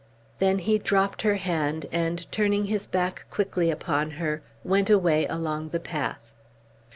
Then he dropped her hand, and turning his back quickly upon her, went away along the path.